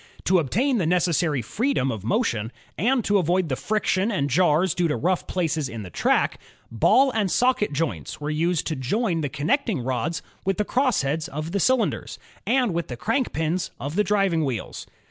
To obtain the necessary freedom of motion, and to avoid the friction and jars due to rough places in the track, ball and socket joints were used to join the connecting rods with the crossheads of the cylin ders, and with the crank pins of the driving wheels.